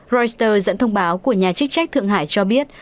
reuters dẫn thông báo của nhà chức trách thượng hải cho biết